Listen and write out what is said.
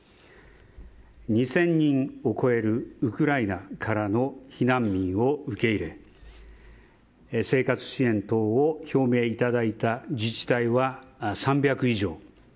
２０００人を超えるウクライナからの避難民を受け入れ生活支援等を表明いただいた自治体は３００以上。